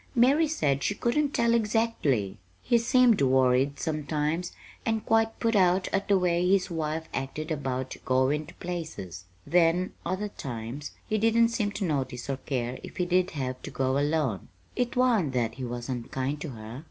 Mary said she couldn't tell exactly. He seemed worried, sometimes, and quite put out at the way his wife acted about goin' to places. Then, other times, he didn't seem to notice or care if he did have to go alone. It wa'n't that he was unkind to her.